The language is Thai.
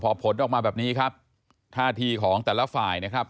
พอผลออกมาแบบนี้ครับท่าทีของแต่ละฝ่ายนะครับ